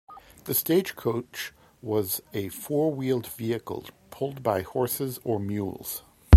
The stagecoach was a four-wheeled vehicle pulled by horses or mules.